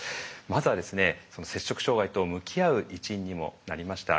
まずはその摂食障害と向き合う一因にもなりました